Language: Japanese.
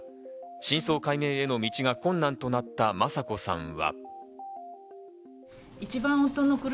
真相解明への道が困難となった雅子さんは。